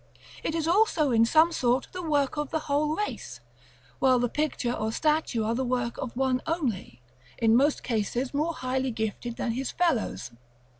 It is also, in some sort, the work of the whole race, while the picture or statue are the work of one only, in most cases more highly gifted than his fellows.